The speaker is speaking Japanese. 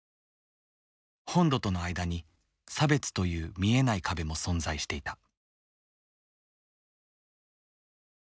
本土との間に差別という見えない壁も存在していた。